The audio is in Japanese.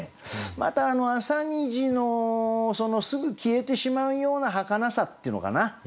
また朝虹のすぐ消えてしまうようなはかなさっていうのかな。